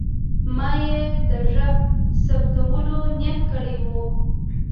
ما یې د غږ ثبتولو نیت کړی و.